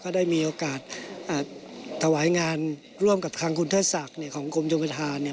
ก็ได้มีโอกาสถวายงานร่วมกับคังคุณเทศสักของกรมจมูลภาษา